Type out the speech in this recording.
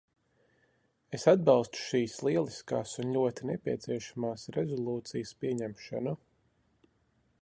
Es atbalstu šīs lieliskās un ļoti nepieciešamās rezolūcijas pieņemšanu.